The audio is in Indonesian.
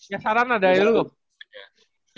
ya saran ada ya lu